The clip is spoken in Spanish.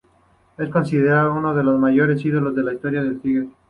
Es considerado uno de los mayores ídolos en la historia de Tigre.